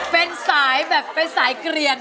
เป็นสายแบบเป็นสายเกลียน